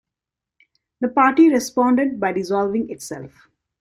The party responded by dissolving itself.